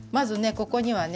ここにはね